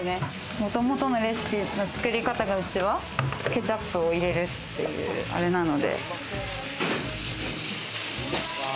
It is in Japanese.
もともとのレシピの作り方がうちはケチャップを入れるっていうアレなので。